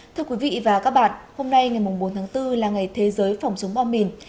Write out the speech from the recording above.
thưa quý vị và các bạn hôm nay ngày bốn tháng bốn là ngày thế giới phòng chống bom mìn